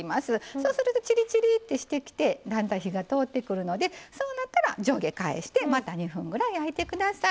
そうすると、ちりちりってしてきてだんだん火が通ってくるのでそうなったら上下返してまた２分くらい焼いてください。